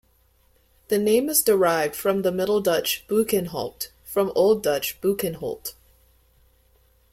The name is derived from the Middle Dutch "Bucghenhout" from Old Dutch "Bukenholt".